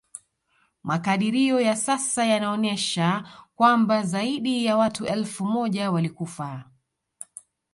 Makadirio ya sasa yanaonesha kwamba zaidi ya watu elfu moja walikufa